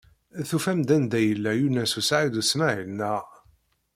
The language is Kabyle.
Tufam-d anda yella Yunes u Saɛid u Smaɛil, naɣ?